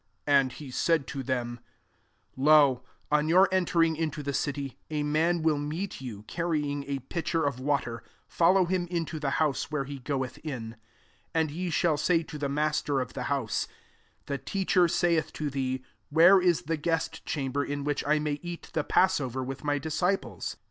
10 And he said to them, Lo, on your en tering into the city, a man will meet you, carrying a pitcher of water; follow him into the house Where he goeth in. 11 And ye shall say to the master of the house, * The Teacher saith to thee, Where is the guest chamber, in which I may eat the passover with my dis ciples?'